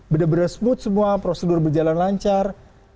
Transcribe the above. benar benar smooth semua prosedur berjalan lancar